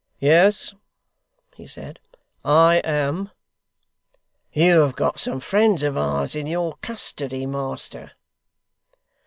'Yes,' he said. 'I am.' 'You have got some friends of ours in your custody, master.